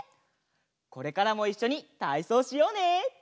これからもいっしょにたいそうしようね！